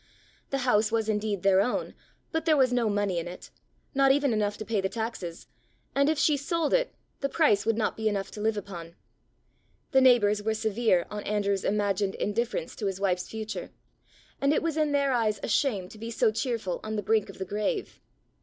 The house was indeed their own, but there was no money in it not even enough to pay the taxes; and if she sold it, the price would not be enough to live upon. The neighbours were severe on Andrew's imagined indifference to his wife's future, and it was in their eyes a shame to be so cheerful on the brink of the grave.